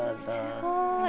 すごい。